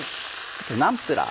ナンプラー。